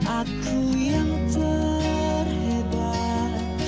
aku yang terhebat